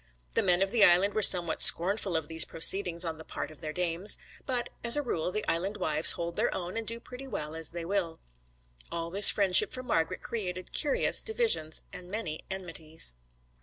The men of the Island were somewhat scornful of these proceedings on the part of their dames; but as a rule the Island wives hold their own and do pretty well as they will. All this friendship for Margret created curious divisions and many enmities.